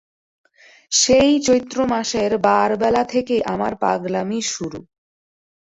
সেই চৈত্রমাসের বারবেলা থেকেই আমার পাগলামি শুরু।